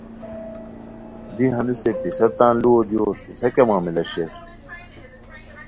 دی ہنیسے پِسہ تان لوؤ دیور پِسہ کیہ معاملہ شیر؟